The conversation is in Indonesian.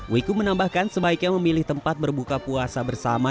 wiku menambahkan sebaiknya memilih tempat berbuka puasa bersama